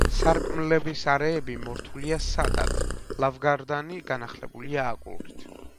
სარკმლების არეები მორთულია სადად, ლავგარდანი განახლებულია აგურით.